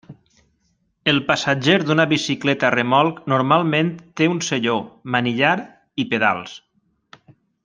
El passatger d'una bicicleta-remolc normalment té un selló, manillar, i pedals.